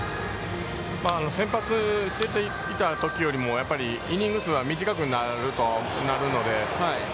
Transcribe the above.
先発していたときよりも、イニング数は短くなるので。